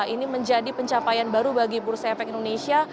ini menjadi pencapaian baru bagi bursa efek indonesia